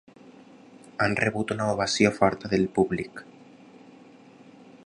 Han rebut una ovació forta del públic.